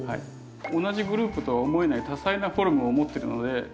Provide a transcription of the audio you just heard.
同じグループとは思えない多彩なフォルムを持ってるので。